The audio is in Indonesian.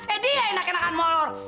eh dia enak enakan molor